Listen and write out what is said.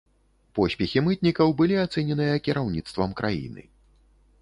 Поспехі мытнікаў былі ацэненыя кіраўніцтвам краіны.